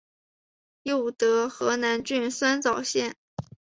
又得河南郡酸枣县。